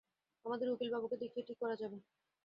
আমাদের উকিলবাবুকে দেখিয়ে ঠিক করা যাবে।